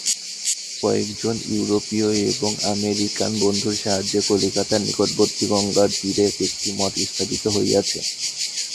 কয়েকজন ইউরোপীয় এবং আমেরিকান বন্ধুর সাহায্যে কলিকাতার নিকটবর্তী গঙ্গার তীরে একটি মঠ স্থাপিত হইয়াছে।